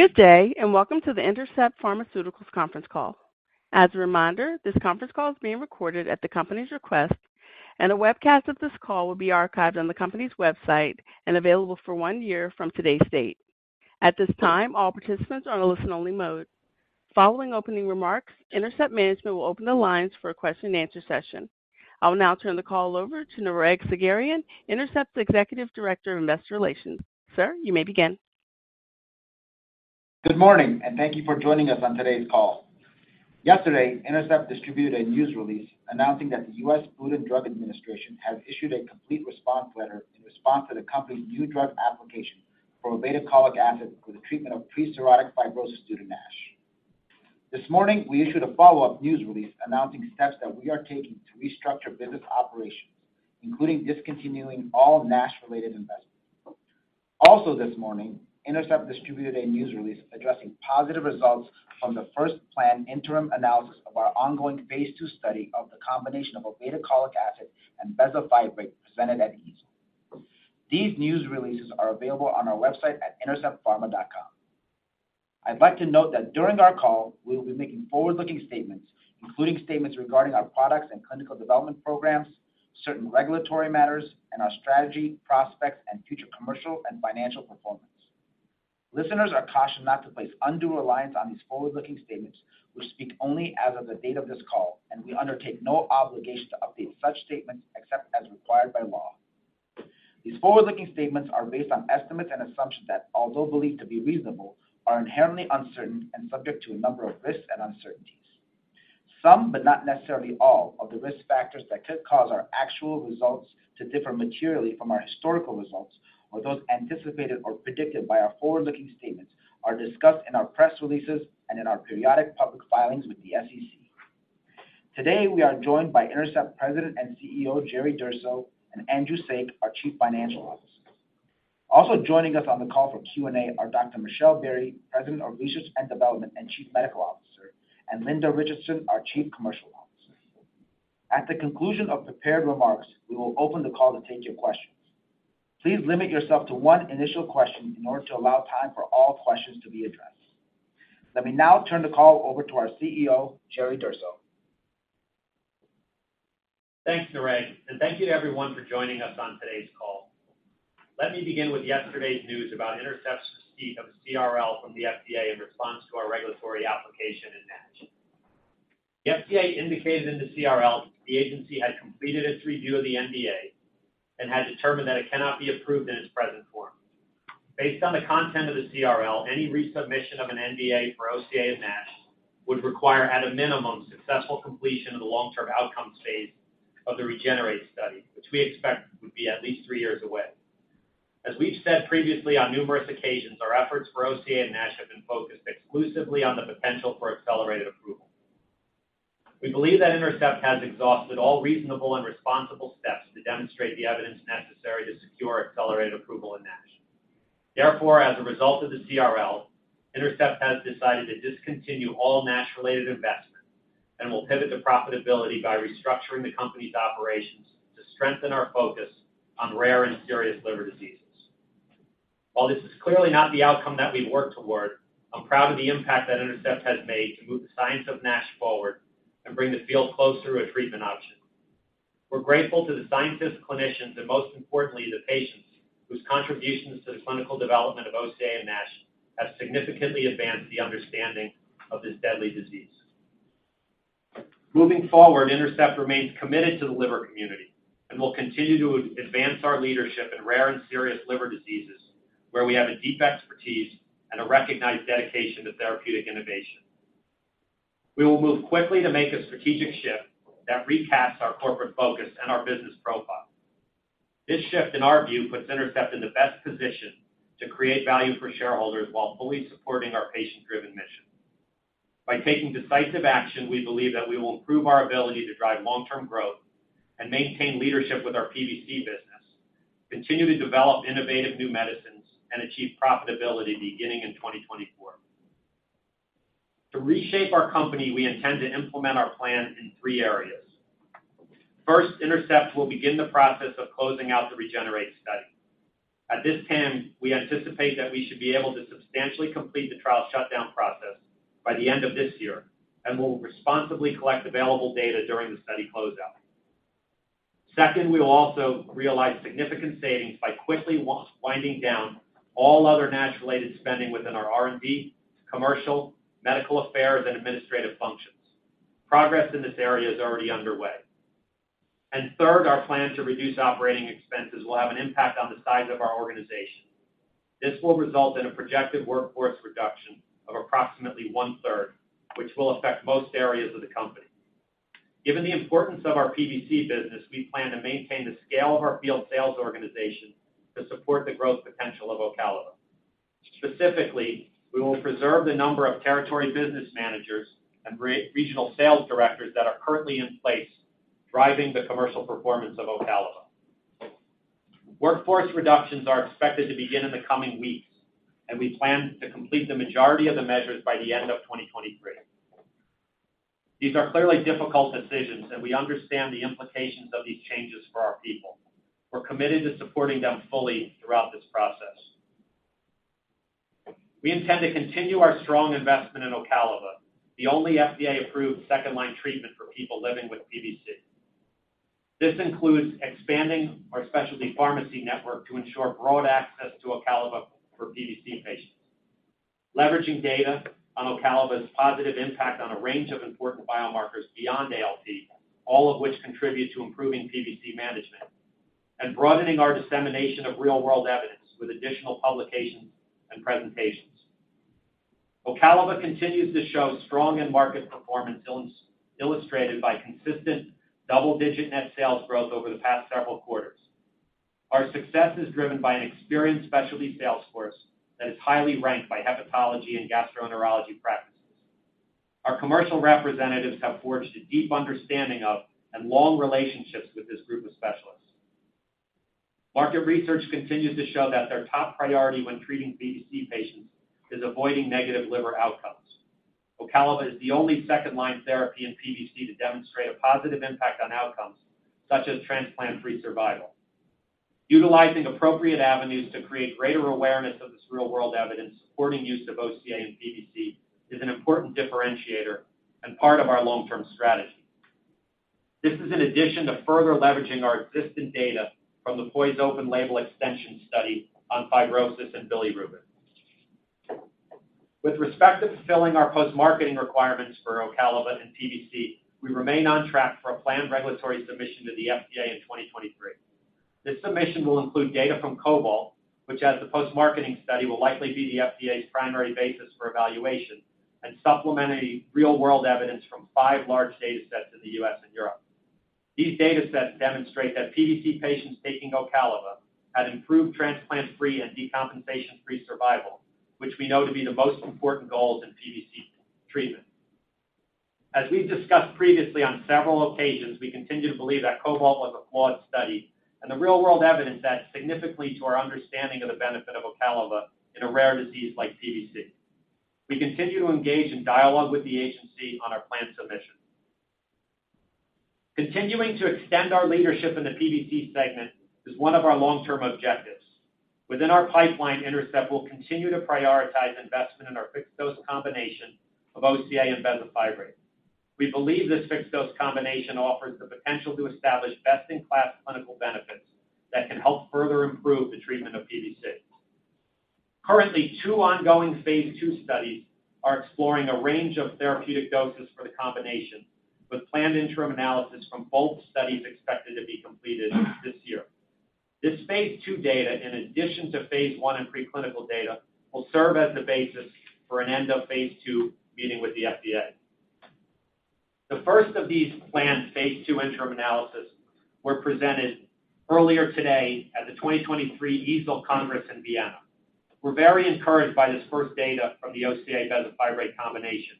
Good day, and welcome to the Intercept Pharmaceuticals Conference call. As a reminder, this conference call is being recorded at the company's request, and a webcast of this call will be archived on the company's website and available for one year from today's date. At this time, all participants are on a listen-only mode. Following opening remarks, Intercept management will open the lines for a question-and-answer session. I will now turn the call over to Nareg Sagherian, Intercept's Executive Director of Investor Relations. Sir, you may begin. Good morning, and thank you for joining us on today's call. Yesterday, Intercept distributed a news release announcing that the U.S. Food and Drug Administration has issued a complete response letter in response to the company's new drug application for obeticholic acid for the treatment of pre-cirrhotic fibrosis due to NASH. This morning, we issued a follow-up news release announcing steps that we are taking to restructure business operations, including discontinuing all NASH-related investments. Also this morning, Intercept distributed a news release addressing positive results from the first planned interim analysis of our ongoing phase II study of the combination of obeticholic acid and bezafibrate presented at EASL. These news releases are available on our website at interceptpharma.com. I'd like to note that during our call, we will be making forward-looking statements, including statements regarding our products and clinical development programs, certain regulatory matters, and our strategy, prospects, and future commercial and financial performance. Listeners are cautioned not to place undue reliance on these forward-looking statements, which speak only as of the date of this call, and we undertake no obligation to update such statements except as required by law. These forward-looking statements are based on estimates and assumptions that, although believed to be reasonable, are inherently uncertain and subject to a number of risks and uncertainties. Some, but not necessarily all, of the risk factors that could cause our actual results to differ materially from our historical results or those anticipated or predicted by our forward-looking statements are discussed in our press releases and in our periodic public filings with the SEC. Today, we are joined by Intercept President and CEO, Jerry Durso, and Andrew Saik, our Chief Financial Officer. Also joining us on the call for Q&A are Dr. M. Michelle Berrey, President of Research and Development and Chief Medical Officer, and Linda Richardson, our Chief Commercial Officer. At the conclusion of prepared remarks, we will open the call to take your questions. Please limit yourself to one initial question in order to allow time for all questions to be addressed. Let me now turn the call over to our CEO, Jerry Durso. Thanks, Nareg. Thank you to everyone for joining us on today's call. Let me begin with yesterday's news about Intercept's receipt of a CRL from the FDA in response to our regulatory application in NASH. The FDA indicated in the CRL the agency had completed its review of the NDA and had determined that it cannot be approved in its present form. Based on the content of the CRL, any resubmission of an NDA for OCA in NASH would require, at a minimum, successful completion of the long-term outcome phase of the REGENERATE study, which we expect would be at least three years away. As we've said previously on numerous occasions, our efforts for OCA in NASH have been focused exclusively on the potential for accelerated approval. We believe that Intercept has exhausted all reasonable and responsible steps to demonstrate the evidence necessary to secure accelerated approval in NASH. Therefore, as a result of the CRL, Intercept has decided to discontinue all NASH-related investments and will pivot to profitability by restructuring the company's operations to strengthen our focus on rare and serious liver diseases. While this is clearly not the outcome that we've worked toward, I'm proud of the impact that Intercept has made to move the science of NASH forward and bring the field closer to a treatment option. We're grateful to the scientists, clinicians, and most importantly, the patients, whose contributions to the clinical development of OCA and NASH have significantly advanced the understanding of this deadly disease. Moving forward, Intercept remains committed to the liver community and will continue to advance our leadership in rare and serious liver diseases, where we have a deep expertise and a recognized dedication to therapeutic innovation. We will move quickly to make a strategic shift that recasts our corporate focus and our business profile. This shift, in our view, puts Intercept in the best position to create value for shareholders while fully supporting our patient-driven mission. By taking decisive action, we believe that we will improve our ability to drive long-term growth and maintain leadership with our PBC business, continue to develop innovative new medicines, and achieve profitability beginning in 2024. To reshape our company, we intend to implement our plan in three areas. First, Intercept will begin the process of closing out the REGENERATE study. At this time, we anticipate that we should be able to substantially complete the trial shutdown process by the end of this year, and we'll responsibly collect available data during the study closeout. Second, we will also realize significant savings by quickly winding down all other NASH-related spending within our R&D, commercial, medical affairs, and administrative functions. Progress in this area is already underway. Third, our plan to reduce operating expenses will have an impact on the size of our organization. This will result in a projected workforce reduction of approximately one-third, which will affect most areas of the company. Given the importance of our PBC business, we plan to maintain the scale of our field sales organization to support the growth potential of OCALIVA. Specifically, we will preserve the number of territory business managers and regional sales directors that are currently in place, driving the commercial performance of OCALIVA. Workforce reductions are expected to begin in the coming weeks, we plan to complete the majority of the measures by the end of 2023. These are clearly difficult decisions, and we understand the implications of these changes for our people. We're committed to supporting them fully throughout this process. We intend to continue our strong investment in OCALIVA, the only FDA-approved second-line treatment for people living with PBC. This includes expanding our specialty pharmacy network to ensure broad access to OCALIVA for PBC patients, leveraging data on OCALIVA's positive impact on a range of important biomarkers beyond ALP, all of which contribute to improving PBC management, and broadening our dissemination of real-world evidence with additional publications and presentations. OCALIVA continues to show strong end market performance, illustrated by consistent double-digit net sales growth over the past several quarters. Our success is driven by an experienced specialty sales force that is highly ranked by hepatology and gastroenterology practices. Our commercial representatives have forged a deep understanding of and long relationships with this group of specialists. Market research continues to show that their top priority when treating PBC patients is avoiding negative liver outcomes. OCALIVA is the only second-line therapy in PBC to demonstrate a positive impact on outcomes such as transplant-free survival. Utilizing appropriate avenues to create greater awareness of this real-world evidence, supporting use of OCA in PBC is an important differentiator and part of our long-term strategy. This is in addition to further leveraging our existing data from the POISE open label extension study on fibrosis and bilirubin. With respect to fulfilling our post-marketing requirements for OCALIVA and PBC, we remain on track for a planned regulatory submission to the FDA in 2023. This submission will include data from COBALT, which, as the post-marketing study, will likely be the FDA's primary basis for evaluation and supplementary real-world evidence from five large datasets in the US and Europe. These datasets demonstrate that PBC patients taking OCALIVA had improved transplant-free and decompensation-free survival, which we know to be the most important goals in PBC treatment. The real-world evidence adds significantly to our understanding of the benefit of OCALIVA in a rare disease like PBC. We continue to engage in dialogue with the agency on our planned submission. Continuing to extend our leadership in the PBC segment is one of our long-term objectives. Within our pipeline, Intercept will continue to prioritize investment in our fixed-dose combination of OCA and bezafibrate. We believe this fixed-dose combination offers the potential to establish best-in-class clinical benefits that can help further improve the treatment of PBC. Currently, two ongoing phase II studies are exploring a range of therapeutic doses for the combination, with planned interim analysis from both studies expected to be completed this year. This phase II data, in addition to phase I and preclinical data, will serve as the basis for an end-of-phase II meeting with the FDA. The first of these planned phase II interim analysis were presented earlier today at the 2023 EASL Congress in Vienna. We're very encouraged by this first data from the OCA/bezafibrate combination,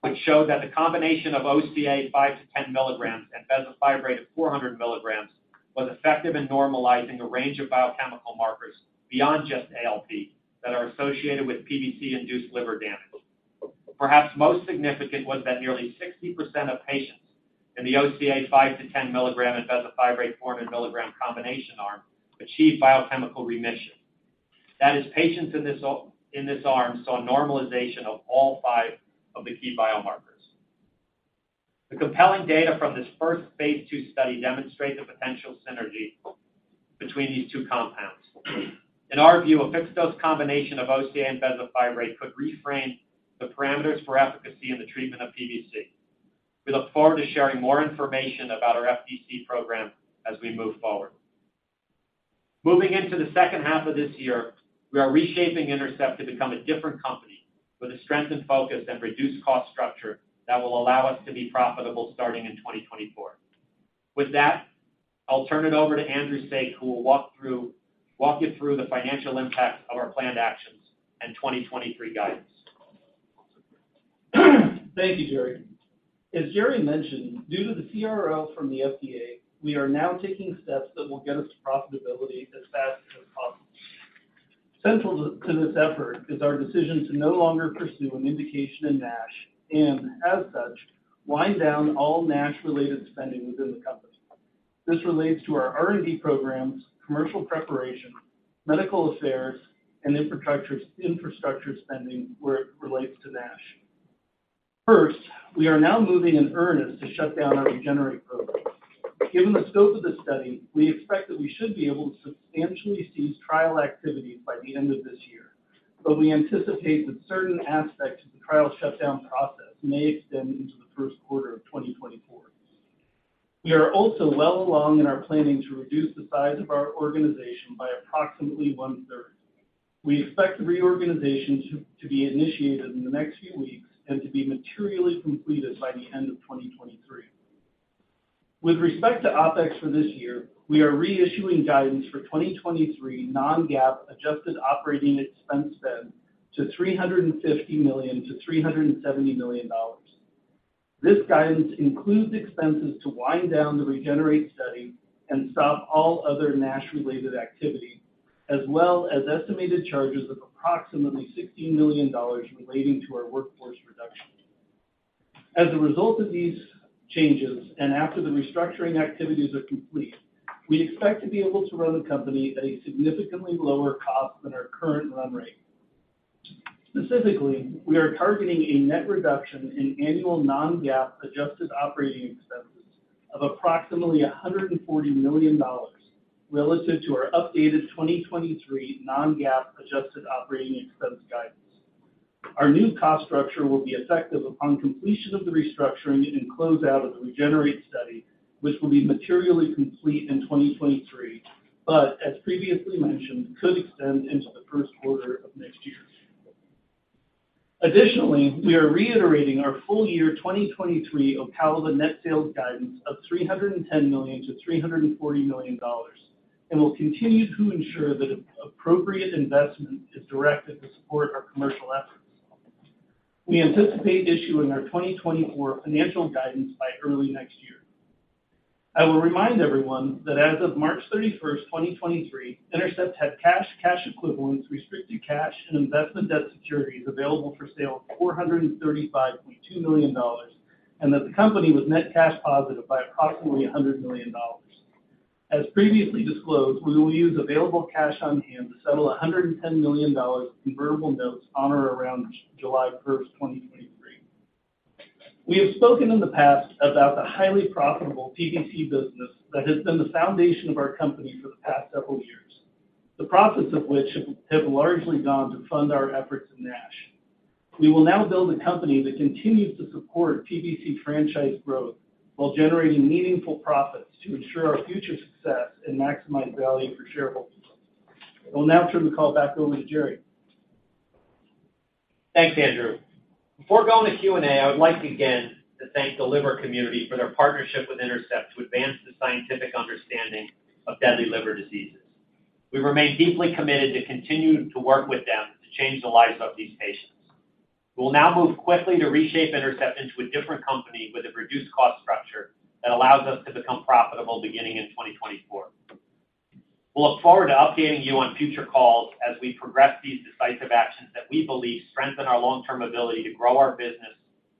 which showed that the combination of OCA 5-10 mg and bezafibrate of 400 mg was effective in normalizing a range of biochemical markers beyond just ALP that are associated with PBC-induced liver damage. Perhaps most significant was that nearly 60% of patients in the OCA 5-10 mg and bezafibrate 400 mg combination arm achieved biochemical remission. That is, patients in this, in this arm saw a normalization of all five of the key biomarkers. The compelling data from this first phase II study demonstrate the potential synergy between these two compounds. In our view, a fixed-dose combination of OCA and bezafibrate could reframe the parameters for efficacy in the treatment of PBC. We look forward to sharing more information about our FDC program as we move forward. Moving into the second half of this year, we are reshaping Intercept to become a different company with a strengthened focus and reduced cost structure that will allow us to be profitable starting in 2024. With that, I'll turn it over to Andrew Saik, who will walk you through the financial impact of our planned actions and 2023 guidance. Thank you, Jerry. As Jerry mentioned, due to the CRL from the FDA, we are now taking steps that will get us to profitability as fast as possible. Central to this effort is our decision to no longer pursue an indication in NASH. As such, wind down all NASH-related spending within the company. This relates to our R&D programs, commercial preparation, medical affairs, and infrastructure spending where it relates to NASH. First, we are now moving in earnest to shut down our REGENERATE program. Given the scope of the study, we expect that we should be able to substantially cease trial activities by the end of this year. We anticipate that certain aspects of the trial shutdown process may extend into the first quarter of 2024. We are also well along in our planning to reduce the size of our organization by approximately one-third. We expect the reorganization to be initiated in the next few weeks and to be materially completed by the end of 2023. With respect to OpEx for this year, we are reissuing guidance for 2023 non-GAAP adjusted operating expense spend to $350 million-$370 million. This guidance includes expenses to wind down the REGENERATE study and stop all other NASH-related activity as well as estimated charges of approximately $16 million relating to our workforce reduction. As a result of these changes, and after the restructuring activities are complete, we expect to be able to run the company at a significantly lower cost than our current run rate. Specifically, we are targeting a net reduction in annual non-GAAP adjusted operating expenses of approximately $140 million relative to our updated 2023 non-GAAP adjusted operating expense guidance. Our new cost structure will be effective upon completion of the restructuring and close out of the REGENERATE study, which will be materially complete in 2023, but as previously mentioned, could extend into the first quarter of next year. Additionally, we are reiterating our full year 2023 OCALIVA net sales guidance of $310 million-$340 million, and we'll continue to ensure that appropriate investment is directed to support our commercial efforts. We anticipate issuing our 2024 financial guidance by early next year. I will remind everyone that as of March 31, 2023, Intercept had cash equivalents, restricted cash, and investment debt securities available for sale of $435.2 million, and that the company was net cash positive by approximately $100 million. As previously disclosed, we will use available cash on hand to settle $110 million in convertible notes on or around July 1, 2023. We have spoken in the past about the highly profitable PBC business that has been the foundation of our company for the past several years, the profits of which have largely gone to fund our efforts in NASH. We will now build a company that continues to support PBC franchise growth while generating meaningful profits to ensure our future success and maximize value for shareholders. I will now turn the call back over to Jerry. Thanks, Andrew. Before going to Q&A, I would like again to thank the liver community for their partnership with Intercept to advance the scientific understanding of deadly liver diseases. We remain deeply committed to continuing to work with them to change the lives of these patients. We will now move quickly to reshape Intercept into a different company with a reduced cost structure that allows us to become profitable beginning in 2024. We'll look forward to updating you on future calls as we progress these decisive actions that we believe strengthen our long-term ability to grow our business,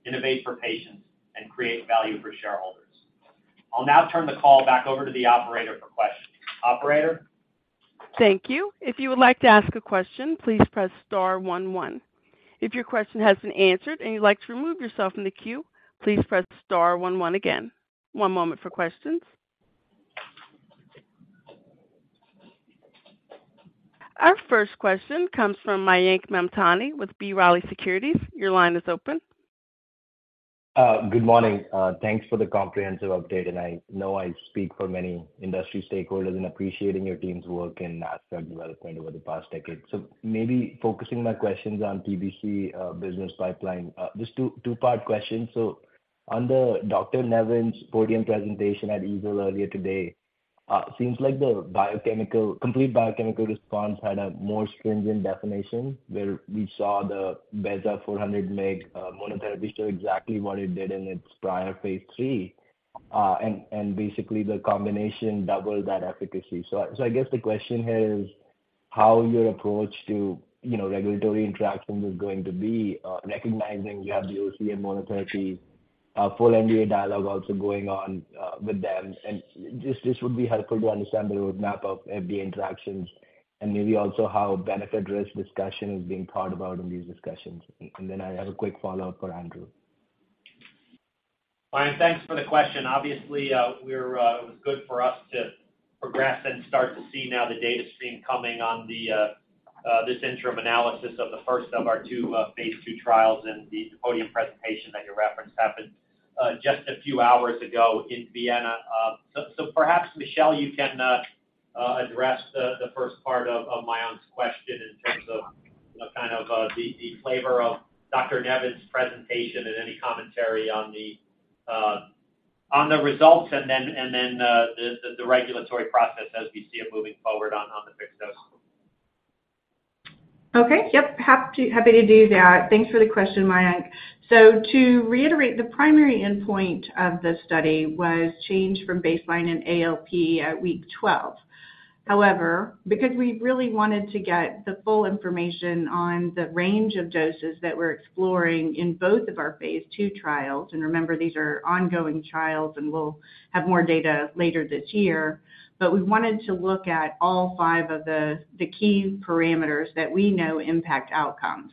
innovate for patients, and create value for shareholders. I'll now turn the call back over to the operator for questions. Operator? Thank you. If you would like to ask a question, please press star one. If your question has been answered and you'd like to remove yourself from the queue, please press star one again. One moment for questions. Our first question comes from Mayank Mamtani with B. Riley Securities. Your line is open. Good morning. Thanks for the comprehensive update, and I know I speak for many industry stakeholders in appreciating your team's work in NASH development over the past decade. Maybe focusing my questions on PBC business pipeline. Just two, two-part questions. On the Dr. Nevens's podium presentation at EASL earlier today, seems like the biochemical complete biochemical response had a more stringent definition, where we saw the bezafibrate 400 mg monotherapy show exactly what it did in its prior phase III, and basically the combination doubled that efficacy. I guess the question is, how your approach to, you know, regulatory interactions is going to be, recognizing you have the OCA monotherapy full NDA dialogue also going on with them. Just would be helpful to understand the roadmap of FDA interactions and maybe also how a benefit-risk discussion is being thought about in these discussions. Then I have a quick follow-up for Andrew. Mayank, thanks for the question. Obviously, we're, it was good for us to progress and start to see now the data stream coming on the, this interim analysis of the first of our two, phase II trials and the podium presentation that you referenced happened just a few hours ago in Vienna. Perhaps, Michelle, you can address the first part of Mayank's question in terms of the kind of, the flavor of Dr. Nevens's presentation and any commentary on the results, and then, the regulatory process as we see it moving forward on the fixed-dose. Okay. Yep, happy to do that. Thanks for the question, Mayank. To reiterate, the primary endpoint of the study was changed from baseline and ALP at week 12. Because we really wanted to get the full information on the range of doses that we're exploring in both of our phase II trials, and remember, these are ongoing trials, and we'll have more data later this year, but we wanted to look at all five of the key parameters that we know impact outcomes.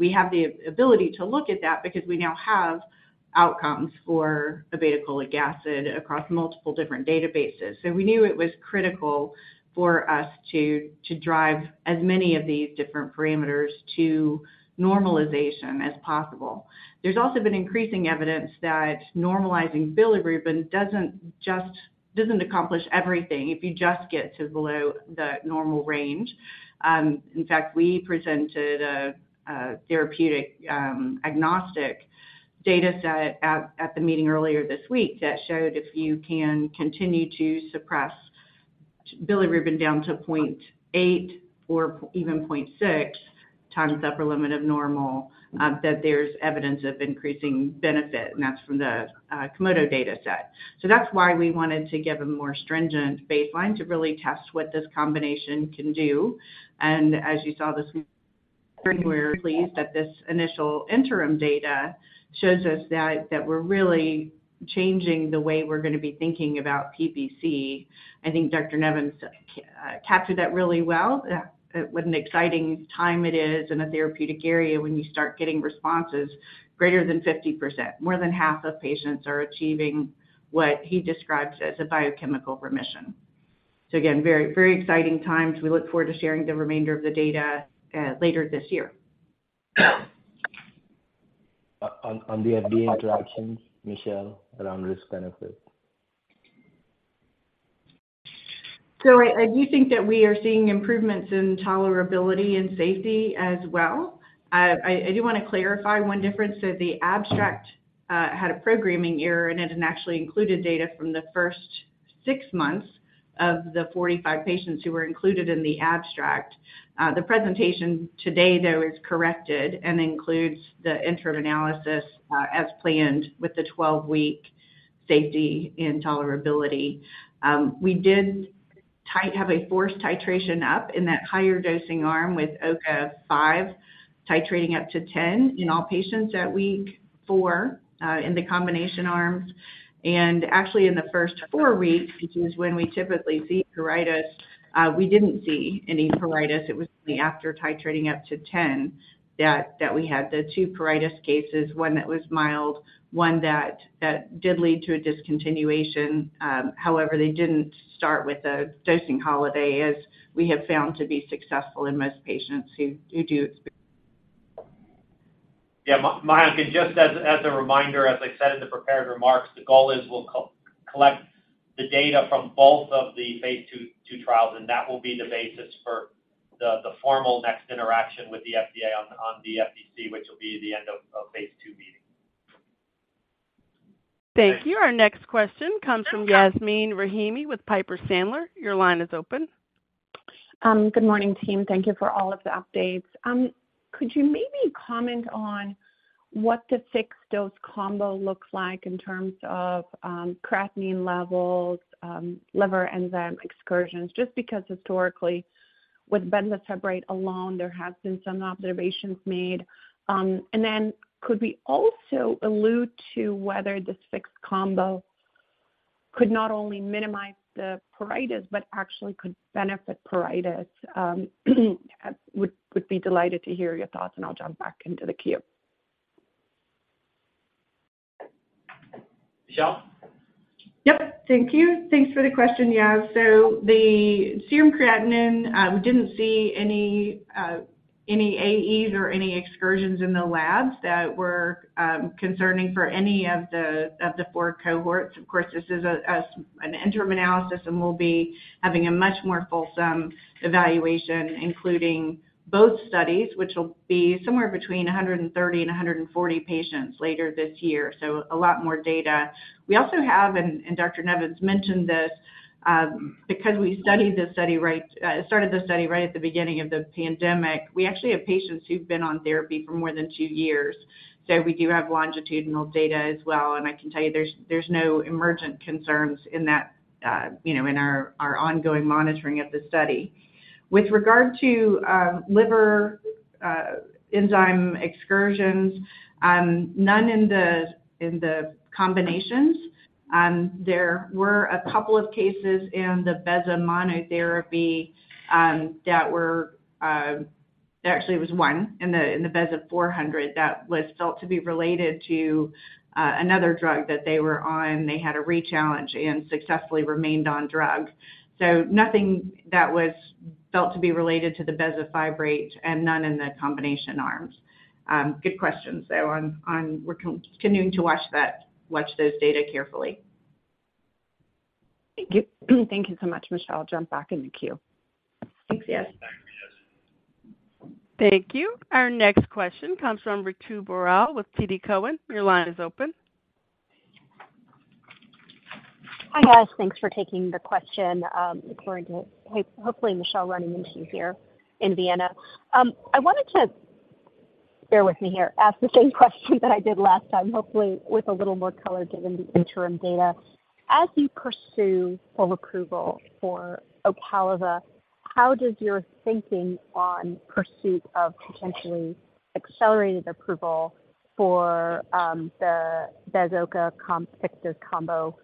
We have the ability to look at that because we now have outcomes for the obeticholic acid across multiple different databases. We knew it was critical for us to drive as many of these different parameters to normalization as possible. There's also been increasing evidence that normalizing bilirubin doesn't accomplish everything if you just get to below the normal range. In fact, we presented a therapeutic, agnostic data set at the meeting earlier this week that showed if you can continue to suppress bilirubin down to 0.8 or even 0.6.... times upper limit of normal, that there's evidence of increasing benefit, and that's from the Komodo data set. That's why we wanted to give a more stringent baseline to really test what this combination can do. As you saw this, we're pleased that this initial interim data shows us that we're really changing the way we're gonna be thinking about PBC. I think Dr. Nevens captured that really well, what an exciting time it is in a therapeutic area when you start getting responses greater than 50%. More than half of patients are achieving what he describes as a biochemical remission. Again, very, very exciting times. We look forward to sharing the remainder of the data later this year. On the FDA interactions, Michelle, around risk benefit. I do think that we are seeing improvements in tolerability and safety as well. I do want to clarify one difference, that the abstract had a programming error, and it actually included data from the first six months of the 45 patients who were included in the abstract. The presentation today, though, is corrected and includes the interim analysis as planned with the 12-week safety and tolerability. We did have a forced titration up in that higher dosing arm with OCA 5, titrating up to 10 in all patients at week four in the combination arms. Actually, in the first four weeks, which is when we typically see pruritus, we didn't see any pruritus. It was only after titrating up to 10 that we had the two pruritus cases, one that was mild, one that did lead to a discontinuation. However, they didn't start with a dosing holiday, as we have found to be successful in most patients who do experience. Yeah, Mayank, just as a reminder, as I said in the prepared remarks, the goal is we'll co-collect the data from both of the phase II trials, that will be the basis for the formal next interaction with the FDA on the FDC, which will be the end of phase II meeting. Thank you. Our next question comes from Yasmeen Rahimi with Piper Sandler. Your line is open. Good morning, team. Thank you for all of the updates. Could you maybe comment on what the fixed-dose combo looks like in terms of creatinine levels, liver enzyme excursions? Just because historically with bezafibrate alone, there have been some observations made. Could we also allude to whether this fixed combo could not only minimize the pruritus, but actually could benefit pruritus? Would be delighted to hear your thoughts, and I'll jump back into the queue. Michelle? Yep, thank you. Thanks for the question, Yas. The serum creatinine, we didn't see any AEs or any excursions in the labs that were concerning for any of the four cohorts. Of course, this is an interim analysis, and we'll be having a much more fulsome evaluation, including both studies, which will be somewhere between 130 and 140 patients later this year, so a lot more data. We also have, and Dr. Nevens mentioned this, because we started this study right at the beginning of the pandemic, we actually have patients who've been on therapy for more than two years. We do have longitudinal data as well, and I can tell you there's no emergent concerns in that, you know, in our ongoing monitoring of the study. With regard to liver enzyme excursions, none in the combinations. There were a couple of cases in the bezafibrate monotherapy. Actually, it was one in the bezafibrate 400 that was felt to be related to another drug that they were on. They had a rechallenge and successfully remained on drug. Nothing that was felt to be related to the bezafibrate and none in the combination arms. Good questions, though, on. We're continuing to watch that, watch those data carefully. Thank you. Thank you so much, Michelle. I'll jump back in the queue. Thanks, Yas. Thanks, Yas. Thank you. Our next question comes from Ritu Baral with TD Cowen. Your line is open. Hi, guys. Thanks for taking the question, looking forward to hopefully, Michelle, running into you here in Vienna. I wanted to, bear with me here, ask the same question that I did last time, hopefully with a little more color, given the interim data. As you pursue full approval for OCALIVA, how does your thinking on pursuit of potentially accelerated approval for the beza-OCA comp fixed-dose combo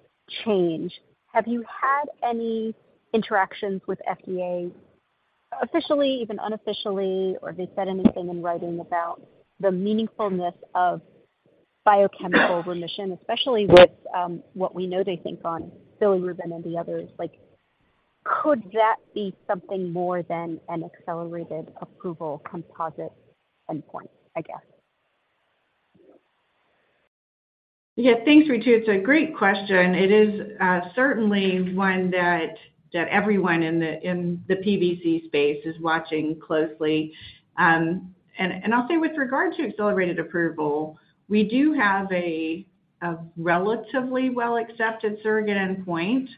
change? Have you had any interactions with FDA officially, even unofficially, or have they said anything in writing about the meaningfulness of biochemical remission, especially with what we know they think on bilirubin and the others? Like, could that be something more than an accelerated approval composite endpoint, I guess? Yeah. Thanks, Ritu. It's a great question. It is certainly one that everyone in the PBC space is watching closely. I'll say with regard to accelerated approval, we do have a relatively well-accepted surrogate endpoint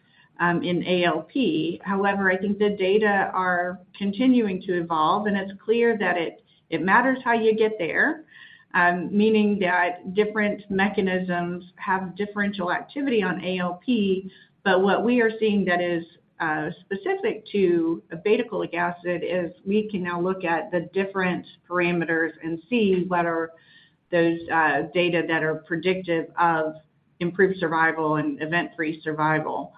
in ALP. However, I think the data are continuing to evolve, and it's clear that it matters how you get there, meaning that different mechanisms have differential activity on ALP. What we are seeing that is specific to obeticholic acid is we can now look at the different parameters and see what are those data that are predictive of improved survival and event-free survival.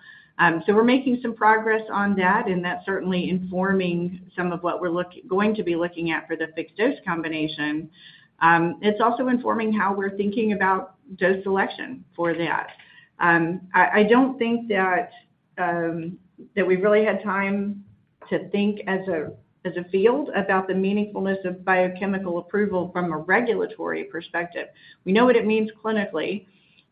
We're making some progress on that, and that's certainly informing some of what we're going to be looking at for the fixed-dose combination. It's also informing how we're thinking about dose selection for that. I don't think that we've really had time to think as a field about the meaningfulness of biochemical approval from a regulatory perspective. We know what it means clinically,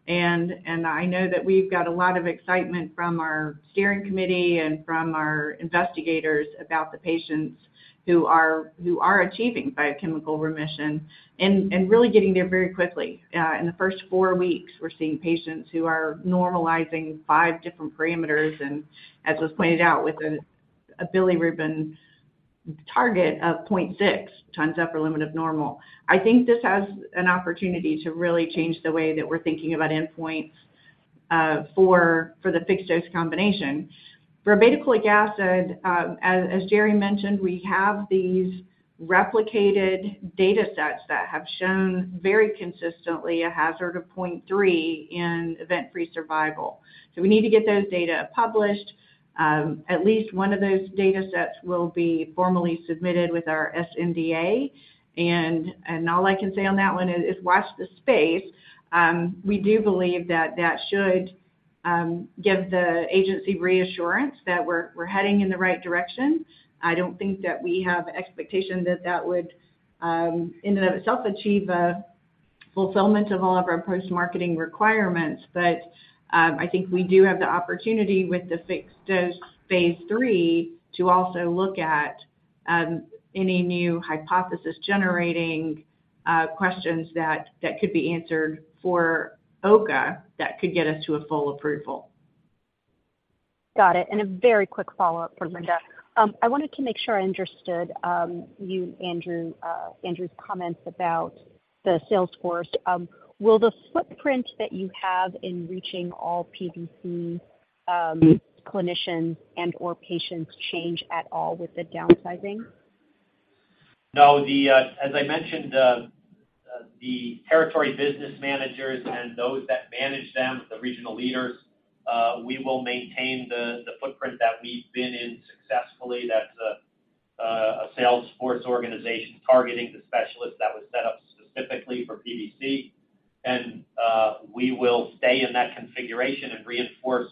and I know that we've got a lot of excitement from our steering committee and from our investigators about the patients who are achieving biochemical remission and really getting there very quickly. In the first four weeks, we're seeing patients who are normalizing five different parameters, and as was pointed out, with a bilirubin target of 0.6x upper limit of normal. I think this has an opportunity to really change the way that we're thinking about endpoints for the fixed-dose combination. For obeticholic acid, as Jerry mentioned, we have these replicated data sets that have shown very consistently a hazard of 0.3 in event-free survival. We need to get those data published. At least one of those data sets will be formally submitted with our sNDA, and all I can say on that one is watch the space. We do believe that that should give the agency reassurance that we're heading in the right direction. I don't think that we have expectation that that would in and of itself, achieve a fulfillment of all of our post-marketing requirements. I think we do have the opportunity with the fixed-dose phase III to also look at any new hypothesis generating questions that could be answered for OCA that could get us to a full approval. Got it. A very quick follow-up for Linda. I wanted to make sure I understood, you, Andrew's comments about the sales force. Will the footprint that you have in reaching all PBC, clinicians and or patients change at all with the downsizing? The, as I mentioned, the territory business managers and those that manage them, the regional leaders, we will maintain the footprint that we've been in successfully. That's a sales force organization targeting the specialists that was set up specifically for PBC. And we will stay in that configuration and reinforce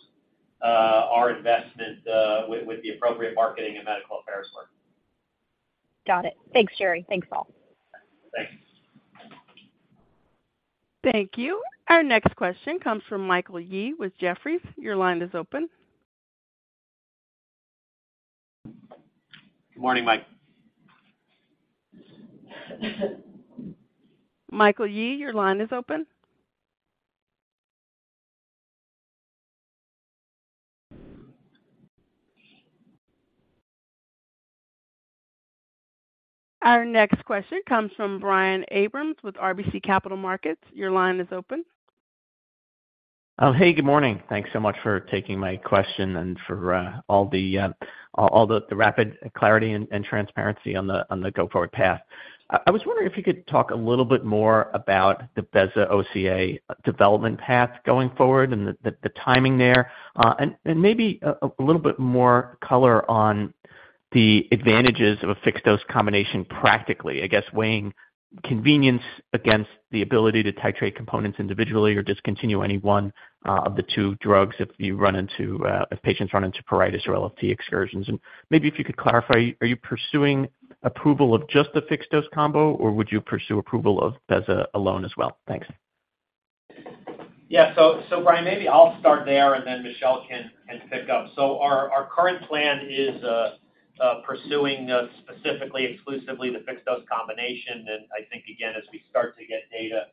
our investment with the appropriate marketing and medical affairs work. Got it. Thanks, Jerry. Thanks, all. Thanks. Thank you. Our next question comes from Michael Yee with Jefferies. Your line is open. Good morning, Mike. Michael Yee, your line is open? Our next question comes from Brian Abrahams with RBC Capital Markets. Your line is open. Hey, good morning. Thanks so much for taking my question and for all the rapid clarity and transparency on the go-forward path. I was wondering if you could talk a little bit more about the bezafibrate-OCA development path going forward and the timing there. Maybe a little bit more color on the advantages of a fixed-dose combination, practically, I guess, weighing convenience against the ability to titrate components individually or discontinue any one of the two drugs if patients run into pruritus or LFT excursions. Maybe if you could clarify, are you pursuing approval of just the fixed-dose combo, or would you pursue approval of bezafibrate alone as well? Thanks. Yeah, so Brian, maybe I'll start there, and then Michelle can pick up. Our current plan is pursuing specifically exclusively the fixed-dose combination. I think, again, as we start to get data,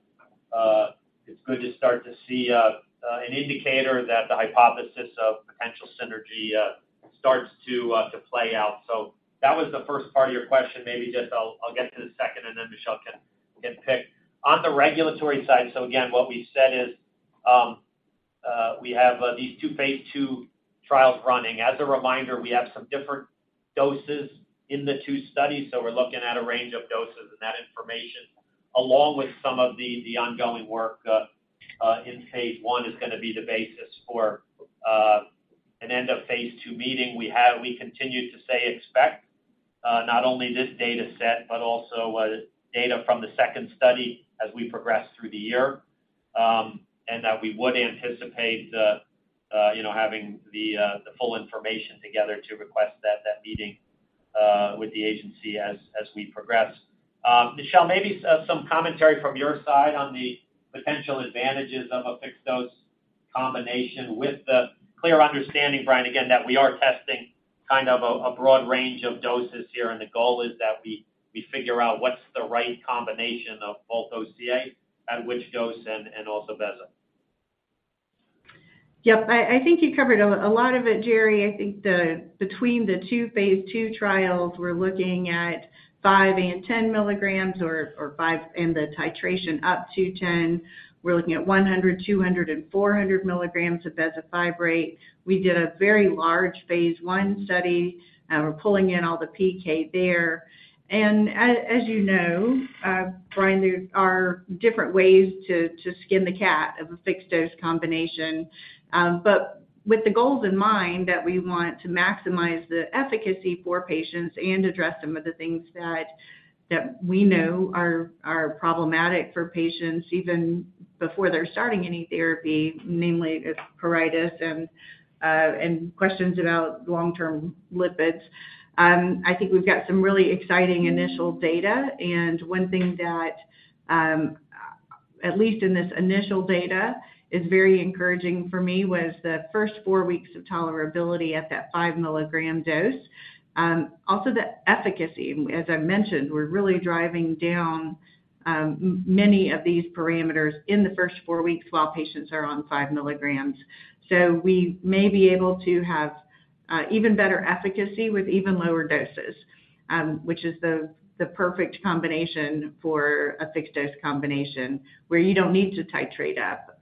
it's good to start to see an indicator that the hypothesis of potential synergy starts to play out. That was the first part of your question. Maybe just I'll get to the second, and then Michelle can pick. On the regulatory side, so again, what we said is, we have these two phase II trials running. As a reminder, we have some different doses in the two studies, so we're looking at a range of doses and that information, along with some of the ongoing work in phase I, is gonna be the basis for an end of phase II meeting. We continue to say, expect not only this data set but also data from the second study as we progress through the year. We would anticipate, you know, having the full information together to request that meeting with the agency as we progress. Michelle, maybe some commentary from your side on the potential advantages of a fixed-dose. combination with the clear understanding, Brian, again, that we are testing kind of a broad range of doses here, and the goal is that we figure out what's the right combination of both OCA, at which dose, and also bezafibrate. Yep. I think you covered a lot of it, Jerry. I think, between the two phase II trials, we're looking at 5 and 10 mg, or 5, and the titration up to 10. We're looking at 100, 200, and 400 mg of bezafibrate. We did a very large phase I study, we're pulling in all the PK there. As you know, Brian, there are different ways to skin the cat of a fixed-dose combination. With the goals in mind that we want to maximize the efficacy for patients and address some of the things that we know are problematic for patients even before they're starting any therapy, namely, it's pruritus and questions about long-term lipids. I think we've got some really exciting initial data, and one thing that, at least in this initial data, is very encouraging for me, was the first four weeks of tolerability at that 5-mg dose. Also the efficacy. As I mentioned, we're really driving down many of these parameters in the first four weeks while patients are on 5 mg. We may be able to have even better efficacy with even lower doses, which is the perfect combination for a fixed-dose combination, where you don't need to titrate up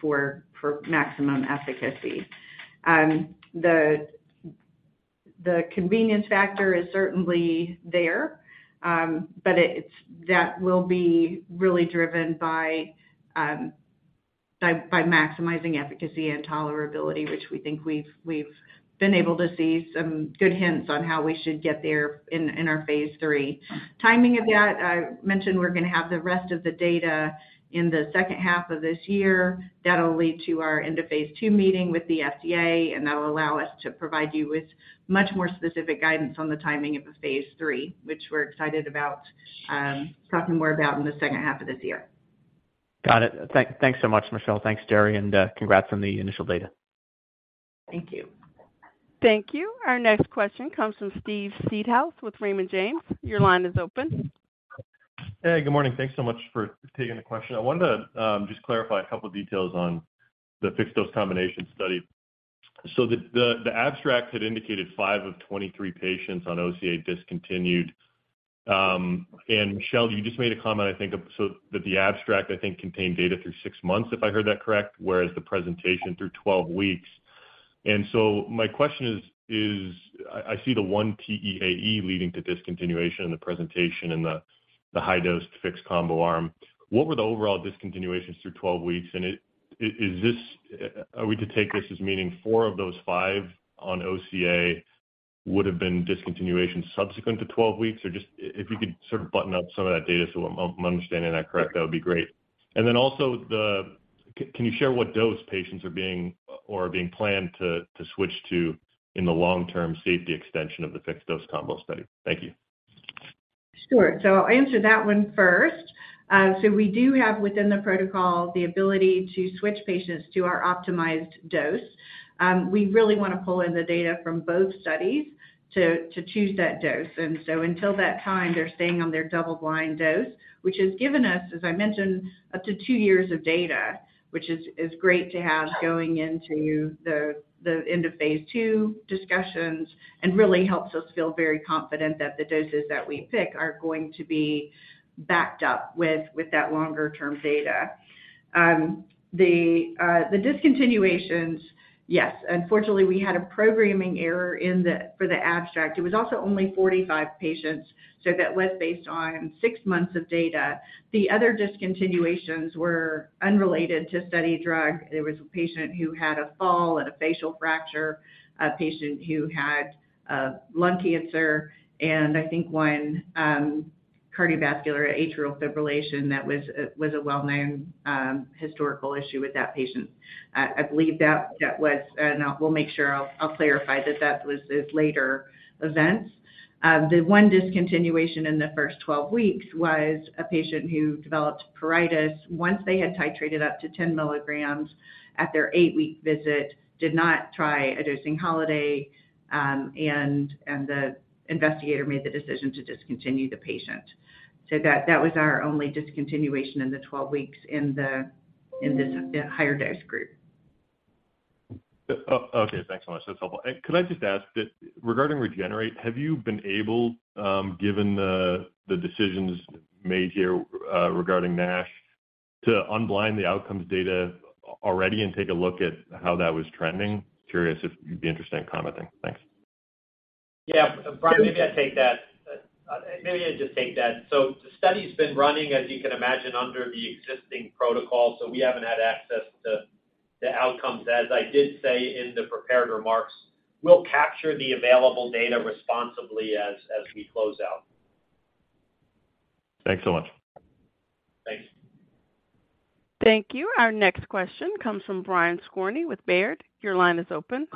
for maximum efficacy. The convenience factor is certainly there, but that will be really driven by maximizing efficacy and tolerability, which we think we've been able to see some good hints on how we should get there in our phase III. Timing of that, I mentioned we're gonna have the rest of the data in the second half of this year. That'll lead to our end-of-phase II meeting with the FDA, that will allow us to provide you with much more specific guidance on the timing of the phase III, which we're excited about, talking more about in the second half of this year. Got it. Thanks so much, Michelle. Thanks, Jerry, congrats on the initial data. Thank you. Thank you. Our next question comes from Steve Seedhouse with Raymond James. Your line is open. Hey, good morning. Thanks so much for taking the question. I wanted to just clarify a couple details on the fixed-dose combination study. The abstract had indicated five of 23 patients on OCA discontinued. Michelle, you just made a comment, I think, that the abstract, I think, contained data through six months, if I heard that correct, whereas the presentation through 12 weeks. My question is: I see the one TEAE leading to discontinuation in the presentation and the high-dose fixed combo arm. What were the overall discontinuations through 12 weeks? Is this? Are we to take this as meaning four of those five on OCA would have been discontinuation subsequent to 12 weeks? Just if you could sort of button up some of that data so I'm understanding that correct, that would be great. Then also the, can you share what dose patients are being, or are being planned to switch to in the long-term safety extension of the fixed-dose combo study? Thank you. Sure. I'll answer that one first. We do have, within the protocol, the ability to switch patients to our optimized dose. We really want to pull in the data from both studies to choose that dose. Until that time, they're staying on their double-blind dose, which has given us, as I mentioned, up to two years of data, which is great to have going into the end-of-phase II discussions, and really helps us feel very confident that the doses that we pick are going to be backed up with that longer-term data. The discontinuations, yes, unfortunately, we had a programming error for the abstract. It was also only 45 patients, so that was based on six months of data. The other discontinuations were unrelated to study drug. There was a patient who had a fall and a facial fracture, a patient who had, lung cancer, I think one, cardiovascular atrial fibrillation that was a well-known, historical issue with that patient. I believe that was, I will make sure I'll clarify that that was his later events. The 1 discontinuation in the first 12 weeks was a patient who developed pruritus once they had titrated up to 10 mg at their eight-week visit, did not try a dosing holiday, and the investigator made the decision to discontinue the patient. That was our only discontinuation in the 12 weeks in this, the higher dose group. Okay, thanks so much. That's helpful. Could I just ask that regarding REGENERATE, have you been able, given the decisions made here, regarding NASH, to unblind the outcomes data already and take a look at how that was trending? Curious if you'd be interested in commenting. Thanks. Yeah. Brian, maybe I just take that. The study's been running, as you can imagine, under the existing protocol, so we haven't had access to the outcomes. As I did say in the prepared remarks, we'll capture the available data responsibly as we close out. Thanks so much. Thanks. Thank you. Our next question comes from Brian Skorney with Baird. Your line is open.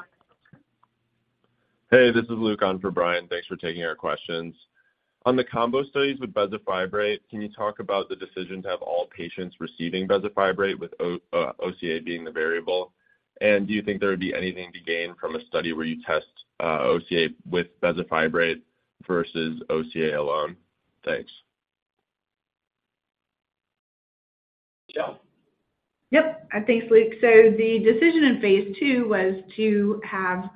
Hey, this is Luke on for Brian. Thanks for taking our questions. On the combo studies with bezafibrate, can you talk about the decision to have all patients receiving bezafibrate with OCA being the variable? Do you think there would be anything to gain from a study where you test OCA with bezafibrate versus OCA alone? Thanks. Michelle? Yep. Thanks, Luke. The decision in phase II was to have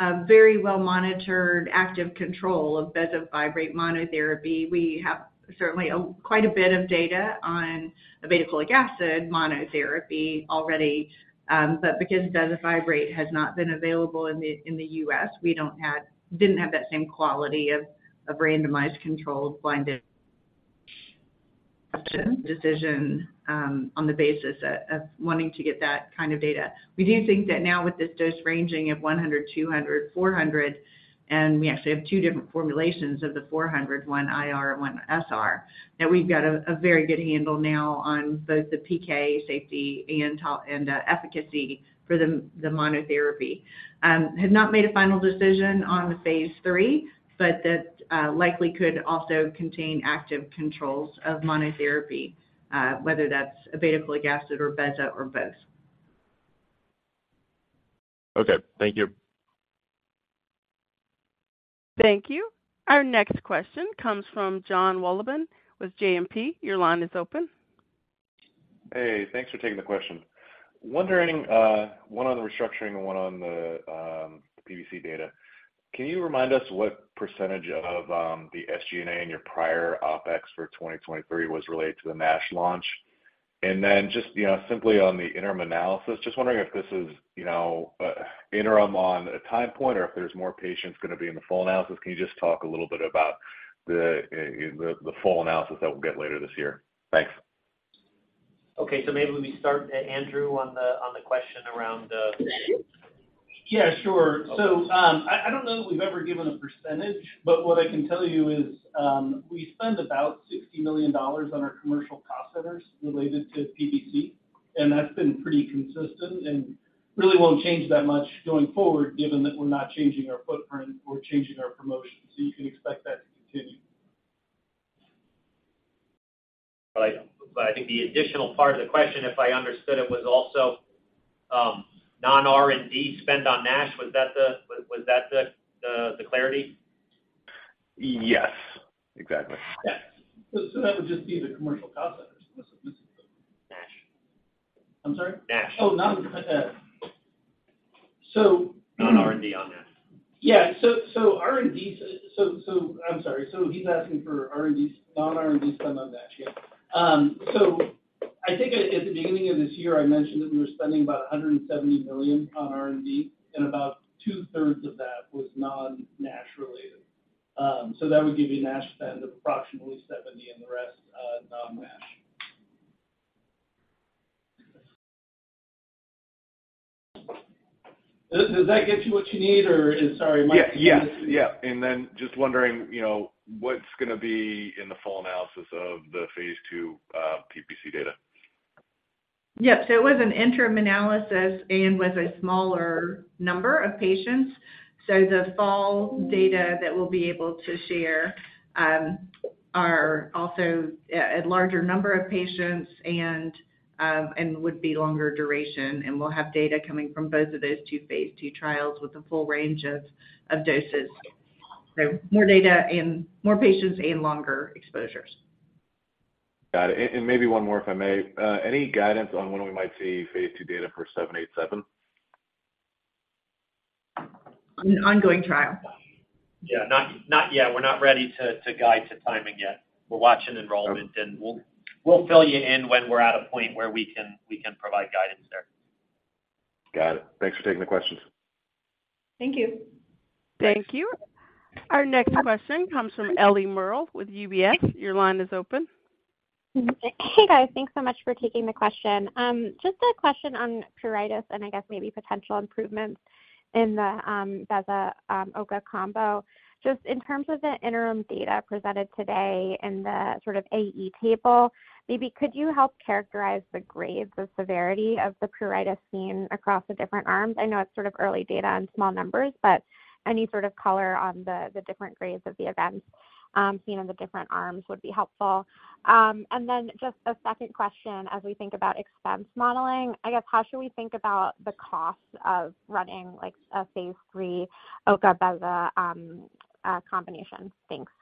a very well-monitored active control of bezafibrate monotherapy. We have certainly quite a bit of data on obeticholic acid monotherapy already. Because bezafibrate has not been available in the U.S., we didn't have that same quality of randomized controlled blinded decision on the basis of wanting to get that kind of data. We do think that now with this dose ranging of 100, 200, 400, and we actually have two different formulations of the 400, one IR and one SR, that we've got a very good handle now on both the PK, safety, and efficacy for the monotherapy. Have not made a final decision on the phase III. That likely could also contain active controls of monotherapy, whether that's obeticholic acid or bezafibrate or both. Okay, thank you. Thank you. Our next question comes from Jonathan Wolleben with JMP. Your line is open. Hey, thanks for taking the question. Wondering, one on the restructuring and one on the PBC data. Can you remind us what percentage of the SG&A in your prior OpEx for 2023 was related to the NASH launch? Just, you know, simply on the interim analysis, just wondering if this is, you know, interim on a time point or if there's more patients going to be in the full analysis. Can you just talk a little bit about the full analysis that we'll get later this year? Thanks. Maybe we start, Andrew, on the question around the. Yeah, sure. I don't know that we've ever given a percentage, but what I can tell you is, we spend about $60 million on our commercial cost centers related to PBC, and that's been pretty consistent and really won't change that much going forward, given that we're not changing our footprint or changing our promotions. You can expect that to continue. I think the additional part of the question, if I understood it, was also non-R&D spend on NASH. Was that the clarity? Yes, exactly. Yes. that would just be the commercial cost centers. NASH. I'm sorry? NASH. Oh. Non-R&D on NASH. Yeah. R&D, I'm sorry. He's asking for R&D, non-R&D spend on NASH. Yeah. I think at the beginning of this year, I mentioned that we were spending about $170 million on R&D, and about two-thirds of that was non-NASH related. That would give you NASH spend of approximately $70 million, and the rest, non-NASH. Does that get you what you need? Or is... Sorry, my- Yes. Yeah. Just wondering, you know, what's going to be in the full analysis of the phase II PBC data? Yep. It was an interim analysis and was a smaller number of patients. The full data that we'll be able to share are also a larger number of patients and would be longer duration. We'll have data coming from both of those two phase II trials with a full range of doses. More data and more patients and longer exposures. Got it. Maybe one more, if I may. Any guidance on when we might see phase II data for seven eight seven? An ongoing trial. Yeah. Not yet. We're not ready to guide to timing yet. We're watching enrollment, and we'll fill you in when we're at a point where we can provide guidance there. Got it. Thanks for taking the questions. Thank you. Thank you. Our next question comes from Ellie Merle with UBS. Your line is open. Hey, guys. Thanks so much for taking the question. Just a question on pruritus and I guess maybe potential improvements in the bezafibrate OCA combo. Just in terms of the interim data presented today in the sort of AE table, maybe could you help characterize the grades, the severity of the pruritus seen across the different arms? I know it's sort of early data in small numbers, but any sort of color on the different grades of the events seen in the different arms would be helpful. Then just a second question, as we think about expense modeling, I guess, how should we think about the cost of running, like, a phase three OCA/bezafibrate combination? Thanks.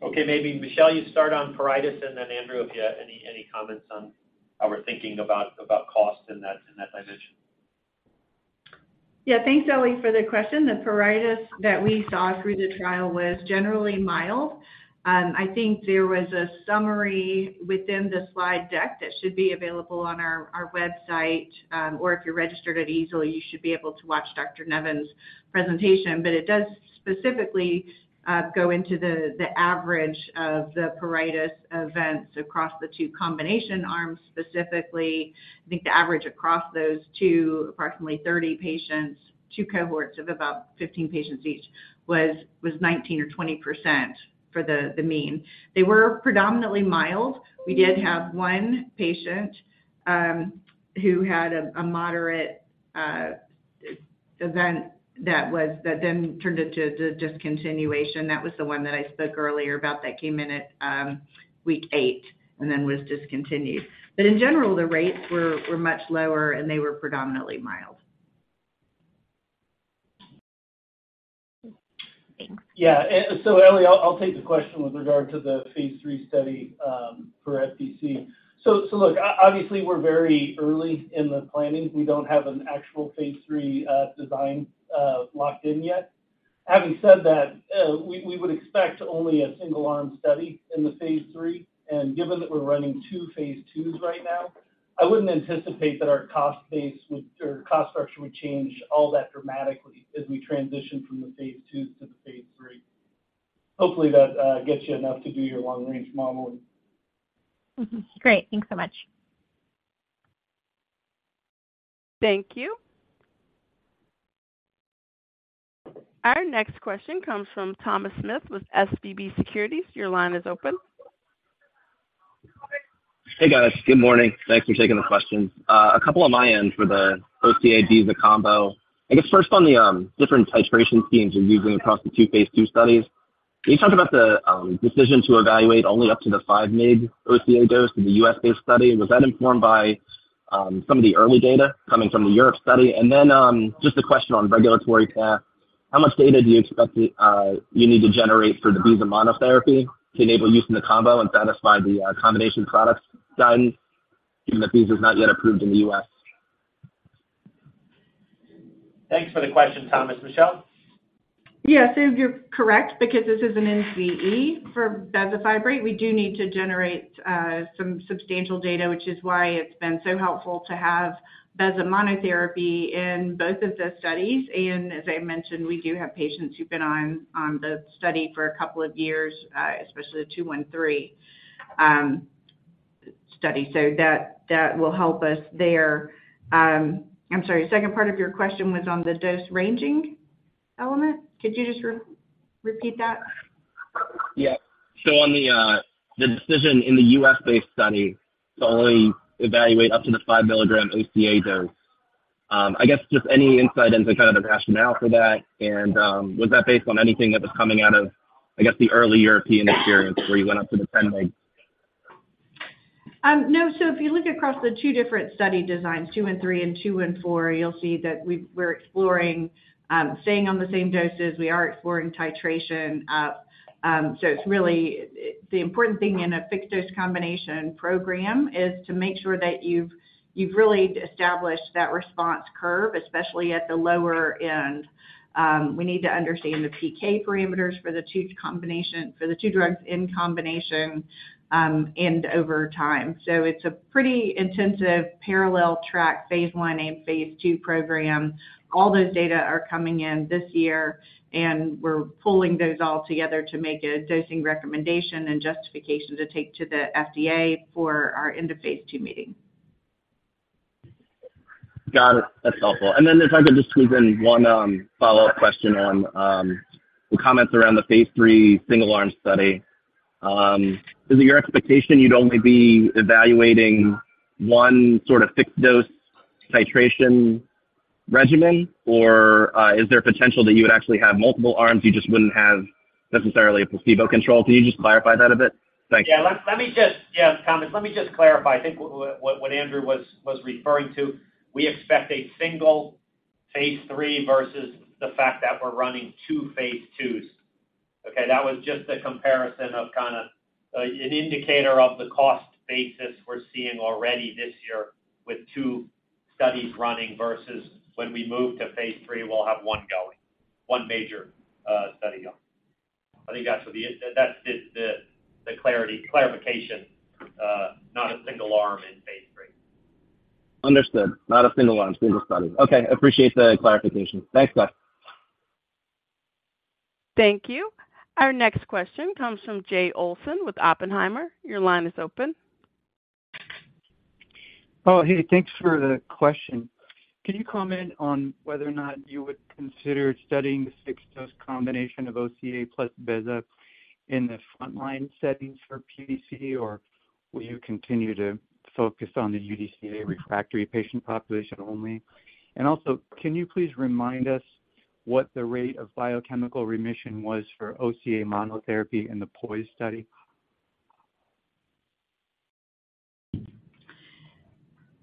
Maybe, Michelle, you start on pruritus, and then Andrew, if you have any comments on how we're thinking about cost in that dimension. Thanks, Ellie, for the question. The pruritus that we saw through the trial was generally mild. I think there was a summary within the slide deck that should be available on our website, or if you're registered at EASL, you should be able to watch Dr. Nevens's presentation. It does specifically go into the average of the pruritus events across the two combination arms. Specifically, I think the average across those two, approximately 30 patients, two cohorts of about 15 patients each, was 19% or 20% for the mean. They were predominantly mild. We did have one patient who had a moderate event that was, that then turned into discontinuation. That was the one that I spoke earlier about that came in at week eight and then was discontinued. In general, the rates were much lower, and they were predominantly mild. Ellie, I'll take the question with regard to the phase III study for FDC. Look, obviously, we're very early in the planning. We don't have an actual phase III design locked in yet. Having said that, we would expect only a single-arm study in the phase III, and given that we're running two phase IIs right now, I wouldn't anticipate that our cost base or cost structure would change all that dramatically as we transition from the phase IIs to the phase III. Hopefully, that gets you enough to do your long-range modeling. Great. Thanks so much. Thank you. Our next question comes from Thomas Smith with SVB Securities. Your line is open. Hey, guys. Good morning. Thanks for taking the questions. A couple on my end for the OCA-bezafibrate combo. I guess first on the different titration schemes you're using across the two phase II studies. Can you talk about the decision to evaluate only up to the 5 mg OCA dose in the U.S.-based study? Was that informed by some of the early data coming from the Europe study? Then just a question on regulatory path. How much data do you expect you need to generate for the bezafibrate monotherapy to enable use in the combo and satisfy the combination products guidance, given that bezafibrate is not yet approved in the U.S.? Thanks for the question, Thomas. Michelle? You're correct because this is an NCE for bezafibrate. We do need to generate some substantial data, which is why it's been so helpful to have beza monotherapy in both of the studies. As I mentioned, we do have patients who've been on the study for a couple of years, especially the 213 study. That will help us there. I'm sorry, second part of your question was on the dose-ranging element. Could you just repeat that? On the decision in the US-based study to only evaluate up to the 5 mg OCA dose, just any insight into kind of the rationale for that, and was that based on anything that was coming out of the early European experience where you went up to the 10 mig? No. If you look across the two and three and two and four different study designs, you'll see that we're exploring staying on the same doses. We are exploring titration up. It's really the important thing in a fixed-dose combination program is to make sure that you've really established that response curve, especially at the lower end. We need to understand the PK parameters for the two drugs in combination and over time. It's a pretty intensive parallel track, phase one and phase two program. All those data are coming in this year, and we're pulling those all together to make a dosing recommendation and justification to take to the FDA for our end-of-phase II meeting. Got it. That's helpful. If I could just squeeze in one, follow-up question on, the comments around the phase III single-arm study. Is it your expectation you'd only be evaluating one sort of fixed-dose titration regimen, or is there potential that you would actually have multiple arms, you just wouldn't have necessarily a placebo control? Can you just clarify that a bit? Thanks. Thomas Smith, let me just clarify. I think what Andrew Saik was referring to, we expect a single phase III versus the fact that we're running two phase IIs. Okay, that was just a comparison of kind of an indicator of the cost basis we're seeing already this year with two studies running, versus when we move to phase III, we'll have one going, one major study going. I think that's the clarity, clarification, not a single arm in phase III. Understood. Not a single arm, single study. Okay, appreciate the clarification. Thanks, guys. Thank you. Our next question comes from Jay Olson with Oppenheimer. Your line is open. Oh, hey, thanks for the question. Can you comment on whether or not you would consider studying the fixed-dose combination of OCA plus bezafibrate in the frontline settings for PBC, or will you continue to focus on the UDCA refractory patient population only? Also, can you please remind us what the rate of biochemical remission was for OCA monotherapy in the POISE study?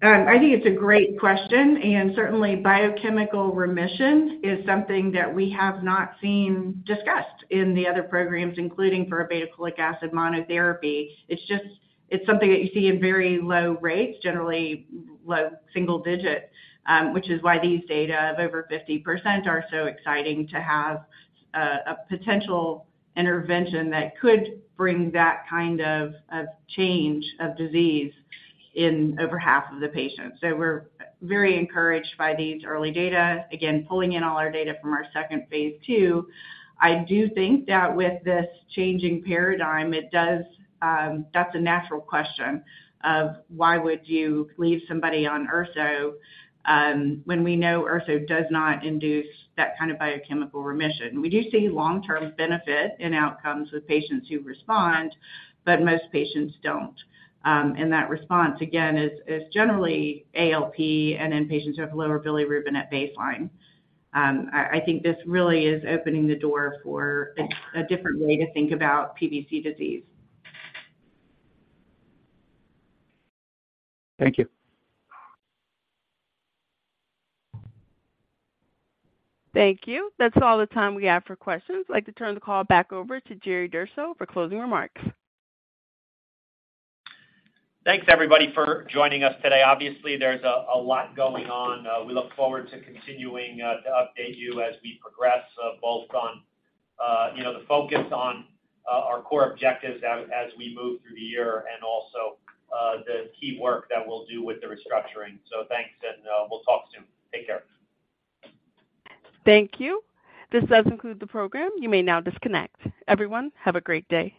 I think it's a great question, and certainly, biochemical remission is something that we have not seen discussed in the other programs, including for ursodeoxycholic acid monotherapy. It's just, it's something that you see in very low rates, generally low single-digit, which is why these data of over 50% are so exciting to have a potential intervention that could bring that kind of change of disease in over half of the patients. We're very encouraged by these early data. Again, pulling in all our data from our second phase II, I do think that with this changing paradigm, it does, that's a natural question of: Why would you leave somebody on URSO when we know URSO does not induce that kind of biochemical remission? We do see long-term benefit in outcomes with patients who respond, but most patients don't. That response, again, is generally ALP and in patients who have lower bilirubin at baseline. I think this really is opening the door for a different way to think about PBC disease. Thank you. Thank you. That's all the time we have for questions. I'd like to turn the call back over to Jerry Durso for closing remarks. Thanks, everybody, for joining us today. Obviously, there's a lot going on. We look forward to continuing to update you as we progress, both on, you know, the focus on our core objectives as we move through the year and also the key work that we'll do with the restructuring. Thanks, and we'll talk soon. Take care. Thank you. This does conclude the program. You may now disconnect. Everyone, have a great day.